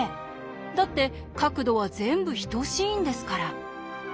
だって角度は全部等しいんですから。